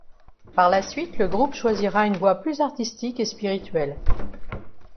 Par la suite le groupe choisira une voie plus artistique et spirituelle.